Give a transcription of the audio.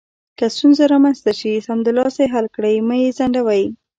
که ستونزه رامنځته شي، سمدلاسه یې حل کړئ، مه یې ځنډوئ.